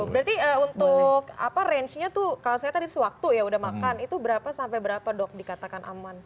berarti untuk range nya tuh kalau saya tadi sewaktu ya udah makan itu berapa sampai berapa dok dikatakan aman